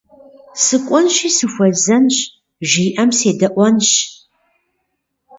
Сыкӏуэнщи сыхуэзэнщ, жиӏэм седэӏуэнщ.